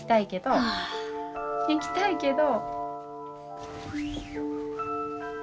行きたいけど。